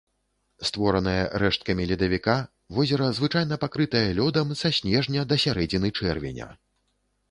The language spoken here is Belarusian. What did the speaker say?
Створанае рэшткамі ледавіка, возера звычайна пакрытае лёдам са снежня да сярэдзіны чэрвеня.